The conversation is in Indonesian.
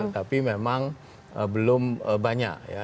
tapi memang belum banyak ya